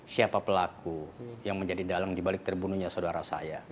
siapa pelaku yang menjadi dalang dibalik terbunuhnya saudara saya